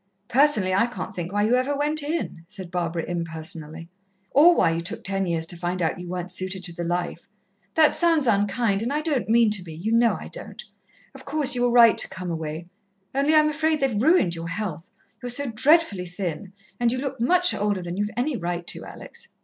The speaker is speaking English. "Personally, I can't think why you ever went in," said Barbara impersonally. "Or why you took ten years to find out you weren't suited to the life. That sounds unkind, and I don't mean to be you know I don't. Of course, you were right to come away. Only I'm afraid they've ruined your health you're so dreadfully thin, and you look much older than you've any right to, Alex.